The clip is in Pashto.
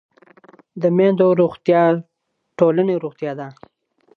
د میندو روغتیا د ټولنې روغتیا ده.